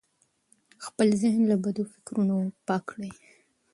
خپل ذهن له بدو فکرونو پاک کړئ.